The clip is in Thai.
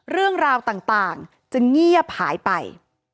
เรื่องราวต่างจะเงียบหายไป